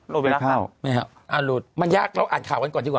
โรบิลักษณ์ครับไม่ครับอ่าหลุดมันยากเราอัดข่าวกันก่อนดีกว่า